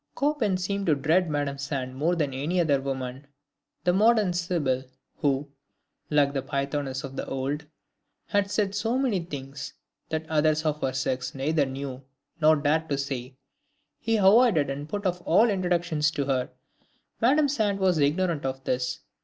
Chopin seemed to dread Madame Sand more than any other woman, the modern Sibyl, who, like the Pythoness of old, had said so many things that others of her sex neither knew nor dared to say. He avoided and put off all introduction to her. Madame Sand was ignorant of this.